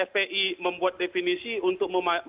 fpi membuat definisi untuk